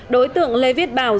đối tượng lê viết bảo